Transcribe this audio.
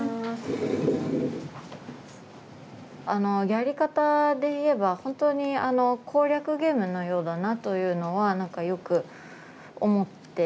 やり方で言えば本当に攻略ゲームのようだなというのはなんかよく思って。